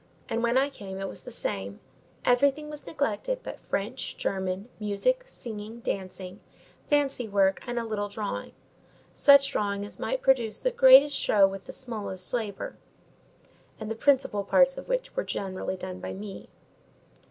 And when I came it was the same: everything was neglected but French, German, music, singing, dancing, fancy work, and a little drawing—such drawing as might produce the greatest show with the smallest labour, and the principal parts of which were generally done by me.